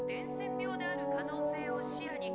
である可能性を視野に」。